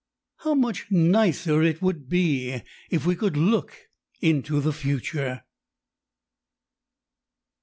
How much nicer it would be if we could look into the future!